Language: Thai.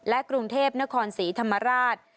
กรุงเทพนครศรีธรรมราช